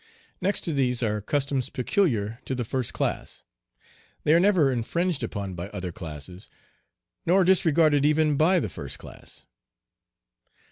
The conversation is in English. Next to these are customs peculiar to the first class. They are never infringed upon by other classes, nor disregarded even by the first class.